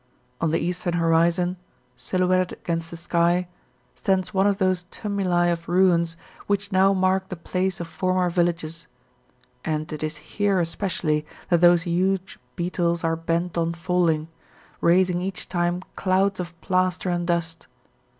On the eastern horizon, silhouetted against the sky, stands one of those tumuli of ruins which now mark the place of former villages; and it is here especially that those huge beetles are bent on falling, raising each time clouds of plaster and dust.